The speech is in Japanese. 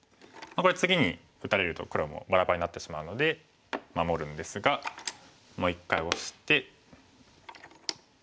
これ次に打たれると黒もばらばらになってしまうので守るんですがもう一回オシて。